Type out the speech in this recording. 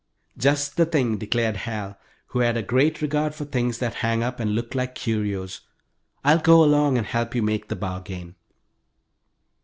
"Just the thing!" declared Hal, who had a great regard for things that hang up and look like curios. "I'll go along and help you make the bargain."